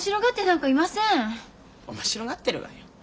面白がってるわよ。